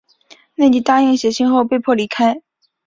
内蒂答应写信后被迫离开。